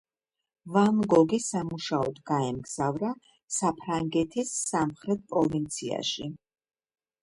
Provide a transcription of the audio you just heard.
ვან გოგი სამუშაოდ გაემგზავრა საფრანგეთის სამხრეთ პროვინციაში